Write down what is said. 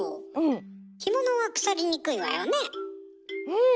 うん！